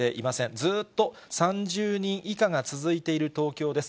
ずーっと３０人以下が続いている東京です。